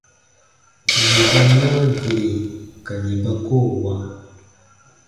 Yè ba naa gire ka yè ba koo wa.